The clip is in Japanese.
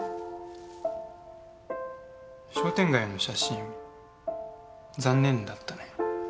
商店街の写真残念だったね。